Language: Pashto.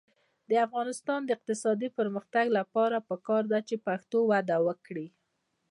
د افغانستان د اقتصادي پرمختګ لپاره پکار ده چې پښتو وده وکړي.